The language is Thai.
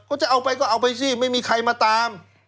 จะเอาไปก็เอาไปสิไม่มีใครมาตาม